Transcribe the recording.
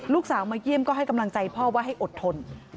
ลูกสาวมาเยี่ยมก็ให้กำลังใจพ่อว่าให้อดทน